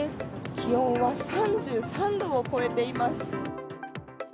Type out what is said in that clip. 気温は３３度を超えています。